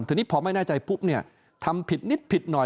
ทีนี้พอไม่แน่ใจปุ๊บเนี่ยทำผิดนิดผิดหน่อย